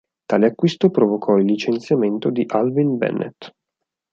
Tale acquisto provocò il licenziamento di Alvin Bennett.